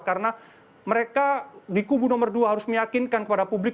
karena mereka di kubu nomor dua harus meyakinkan kepada publik